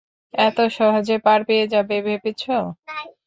এত সহজে পার পেয়ে যাবে ভেবেছ?